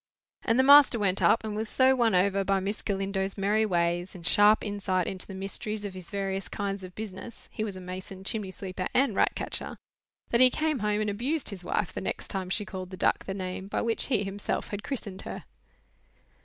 And the master went up, and was so won over by Miss Galindo's merry ways, and sharp insight into the mysteries of his various kinds of business (he was a mason, chimney sweeper, and ratcatcher), that he came home and abused his wife the next time she called the duck the name by which he himself had christened her.